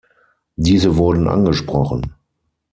Diese wurden angesprochen.